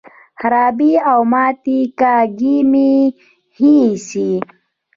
خرابې او ماتې کاږي مې ښې ایسي.